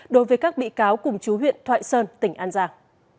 đối với các bị cáo cùng chú huyện thoại sơn tỉnh an giang